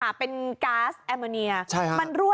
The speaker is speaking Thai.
อ่าเป็นแอลโมเนียใช่ฮะมันรั่ว